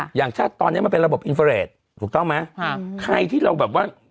ฮะอย่างถ้าตอนเนี้ยมันเป็นระบบถูกต้องไหมฮะใครที่เราแบบว่า